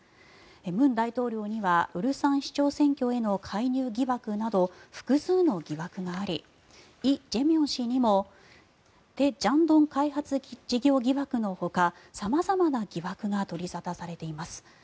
文大統領には蔚山市長選挙への介入疑惑など複数の疑惑がありイ・ジェミョン氏にもテジャンドン開発事業疑惑のほか様々な疑惑が取り沙汰されています。